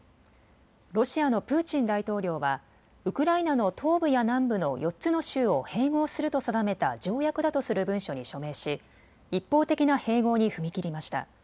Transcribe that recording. ロシアのプーチン大統領はウクライナの東部や南部の４つの州を併合すると定めた条約だとする文書に署名し一方的な併合に踏み切りました。